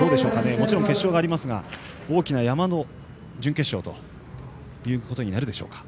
もちろん決勝がありますが大きな山の準決勝となるでしょうか。